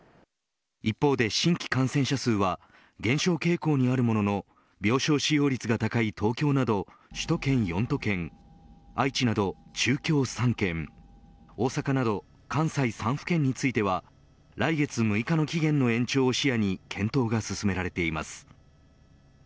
一方で新規感染者数は減少傾向にあるものの病床使用率が高い東京など首都圏４都県愛知など中京３県大阪など関西３府県については来月６日の期限の延長を視野に検討が進められています。